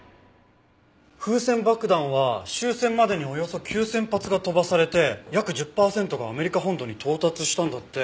風船爆弾は終戦までにおよそ９０００発が飛ばされて約１０パーセントがアメリカ本土に到達したんだって。